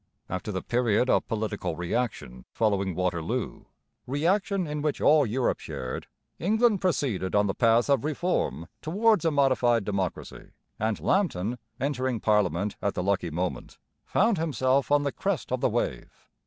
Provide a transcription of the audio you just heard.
After the period of political reaction following Waterloo, reaction in which all Europe shared, England proceeded on the path of reform towards a modified democracy; and Lambton, entering parliament at the lucky moment, found himself on the crest of the wave.